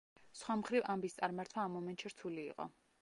სხვა მხრივ ამბის წარმართვა ამ მომენტში რთული იყო.